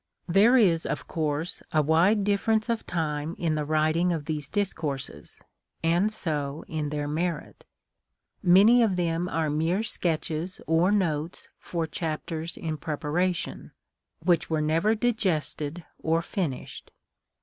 Tliere is, of course, a wide difference of time in the writing of these discourses, and so in their merit. Many of them are mere sketches or notes for chapters in preparation, which were never digested or finished.